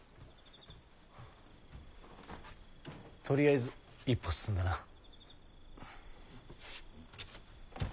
とりあえず一歩進んだな。